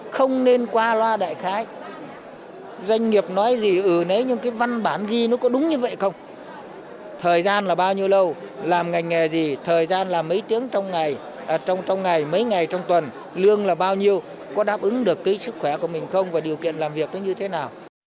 không nên qua loa đại khái doanh nghiệp nói gì ử nấy những cái văn bản ghi nó có đúng như vậy không thời gian là bao nhiêu lâu làm ngành nghề gì thời gian làm mấy tiếng trong ngày trong ngày mấy ngày trong tuần lương là bao nhiêu có đáp ứng được cái sức khỏe của mình không và điều kiện làm việc nó như thế nào